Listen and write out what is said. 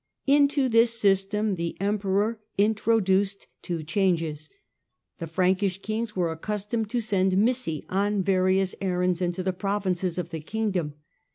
Into this system the Emperor introduced two changes. The mm The Frankish kings were accustomed to send missi on '" various errands into the provinces of the kingdom.